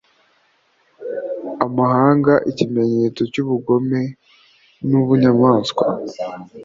amahanga ikimenyetso cy'ubugome n'ubunyamaswa